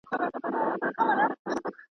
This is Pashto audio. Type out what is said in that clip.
لکه په کلي کي بې کوره ونه!